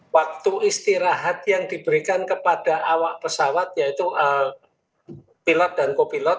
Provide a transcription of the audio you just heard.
waktu istirahat yang diberikan kepada awak pesawat yaitu pilot dan kopilot